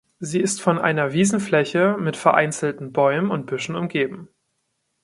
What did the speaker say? Sie ist von einer Wiesenfläche mit vereinzelten Bäumen und Büschen umgeben.